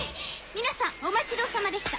皆さんお待ちどおさまでした。